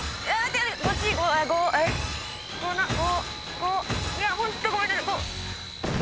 ごいやホントごめんなさい。